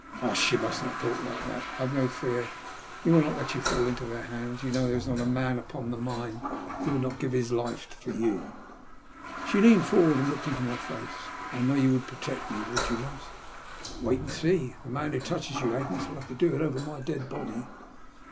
" Hush ! You must not talk like that. Have no fear, we will not let you fall into their hands, Yoa A TfiBBIBliE SUBPBISB. 261 know that there is nut a man upon the mine who would not give his life for you." ^ She leaned a little forward and looked into my face. "I know you would protect me, would you not?" " Wait and see. The man who touches you, Agnes, will have to do it over my dead body.